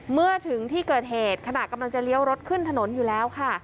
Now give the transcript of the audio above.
เมื่อถึงที่เกิดเหตุขณะกำลังจะเลี้ยวรถขึ้นถนนอยู่แล้วค่ะ